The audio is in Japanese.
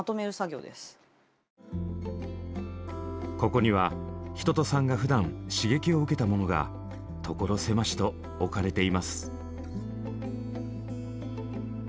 ここには一青さんがふだん刺激を受けたものが所狭しと置かれています。